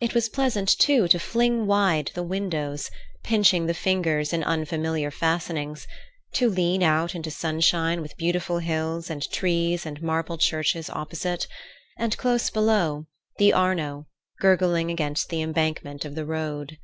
It was pleasant, too, to fling wide the windows, pinching the fingers in unfamiliar fastenings, to lean out into sunshine with beautiful hills and trees and marble churches opposite, and close below, the Arno, gurgling against the embankment of the road.